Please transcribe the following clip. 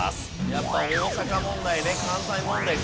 やっぱ大阪問題ね関西問題強いわ。